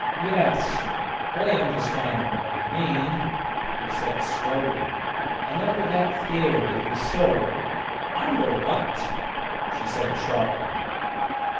'Yes, I understand what you mean,' he said slowly, 'and under that theory, the soul ' 'Under what?' she said sharply.